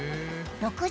６０